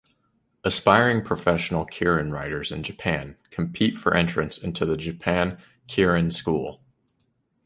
Aspiring professional keirin riders in Japan compete for entrance into the Japan Keirin School.